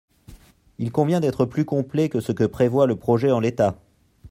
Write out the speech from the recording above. Il convient d’être plus complet que ce que prévoit le projet en l’état.